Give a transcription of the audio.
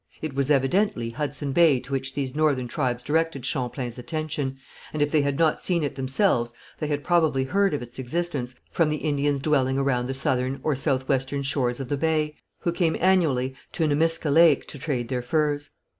It was evidently Hudson Bay to which these northern tribes directed Champlain's attention, and if they had not seen it themselves they had probably heard of its existence from the Indians dwelling around the southern or south western shores of the bay, who came annually to Nemiscau Lake to trade their furs.